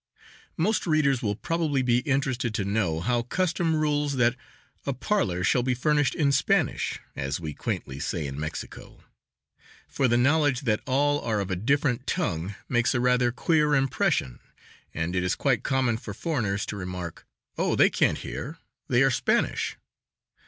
Most readers will probably be interested to know how custom rules that a parlor shall be furnished "in Spanish" as we quaintly say in Mexico. For the knowledge that all are of a different tongue makes a rather queer impression and it is quite common for foreigners to remark: "Oh, they can't hear, they are Spanish."